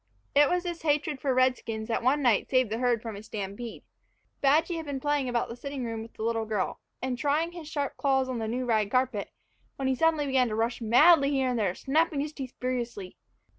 It was this hatred for redskins that one night saved the herd from a stampede. Badgy had been playing about the sitting room with the little girl, and trying his sharp claws on the new rag carpet, when he suddenly began to rush madly here and there, snapping his teeth furiously.